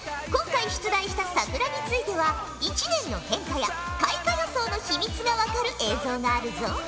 今回出題した桜については一年の変化や開花予想の秘密がわかる映像があるぞ。